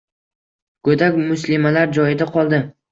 Go‘dak muslimalar joyida qoldi.